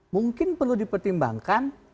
mungkin perlu dipertimbangkan